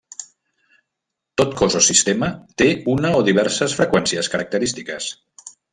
Tot cos o sistema té una o diverses freqüències característiques.